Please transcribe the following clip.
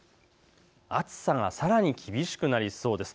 暑さがさらに厳しくなりそうです。